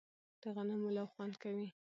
د غنمو لو خوند کوي